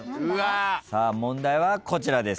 問題はこちらです。